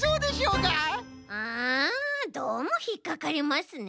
うんどうもひっかかりますね。